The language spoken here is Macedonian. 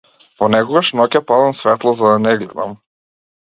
Понекогаш ноќе палам светло за да не гледам.